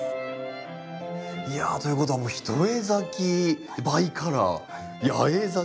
いやということは一重咲きバイカラー八重咲き。